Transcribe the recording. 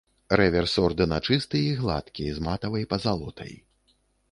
Рэверс ордэна чысты і гладкі, з матавай пазалотай.